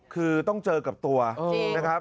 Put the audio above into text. คือต้องเจอกับตัวนะครับ